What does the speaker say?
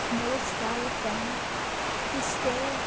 Know'st thou it then ? T is there!